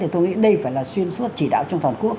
thì tôi nghĩ đây phải là xuyên suốt chỉ đạo trong toàn quốc